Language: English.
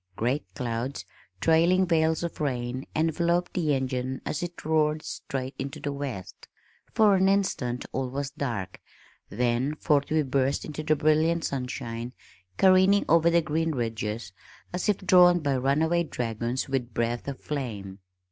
Great clouds, trailing veils of rain, enveloped the engine as it roared straight into the west, for an instant all was dark, then forth we burst into the brilliant sunshine careening over the green ridges as if drawn by runaway dragons with breath of flame.